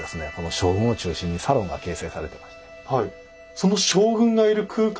将軍を中心にサロンが形成されていました。